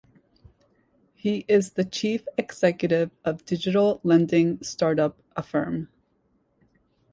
He is the Chief Executive of digital lending start-up Affirm.